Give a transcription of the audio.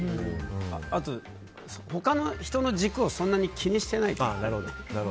あと、他の人の軸をそんなに気にしてないから。